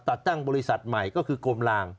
ตั้งบริษัทใหม่ก็คือกรมลาง